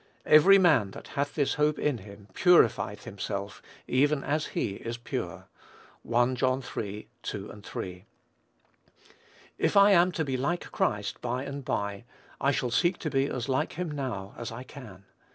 "Every man that hath this hope in him purifieth himself, even as he is pure." (1 John iii. 2, 3.) If I am to be like Christ by and by, I shall seek to be as like him now as I can.